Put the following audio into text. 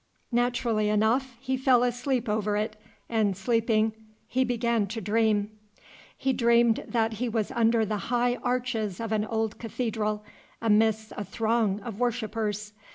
Naturally enough, he fell asleep over it, and, sleeping, he began to dream. He dreamed that he was under the high arches of an old cathedral, amidst a throng of worshippers.